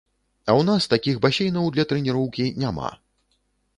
А ў нас такіх басейнаў для трэніроўкі няма.